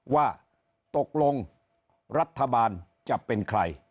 ว่าตกลงรัฐบาลจะเป็นใคร